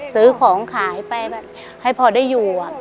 ซื้อของขายไปแบบให้พอได้อยู่